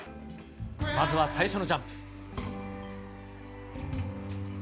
まずは最初のジャンプ。